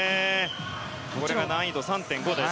これが難易度３．５です。